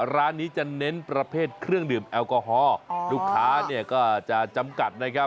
ร้านนี้จะเน้นประเภทเครื่องดื่มแอลกอฮอล์ลูกค้าเนี่ยก็จะจำกัดนะครับ